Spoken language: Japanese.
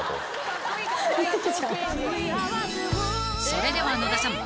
［それでは野田さん